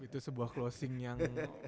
itu sebuah closing yang